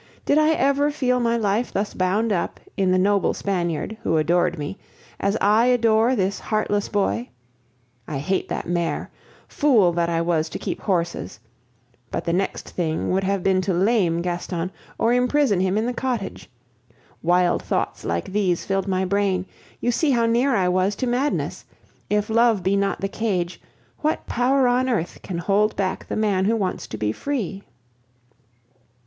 Did I ever feel my life thus bound up in the noble Spaniard, who adored me, as I adore this heartless boy? I hate that mare! Fool that I was to keep horses! But the next thing would have been to lame Gaston or imprison him in the cottage. Wild thoughts like these filled my brain; you see how near I was to madness! If love be not the cage, what power on earth can hold back the man who wants to be free?